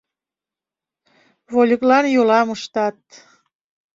Вольыклан йолам ыштат.